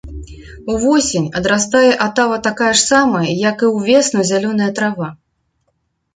Увосень адрастае атава такая ж самая, як і ўвесну зялёная трава.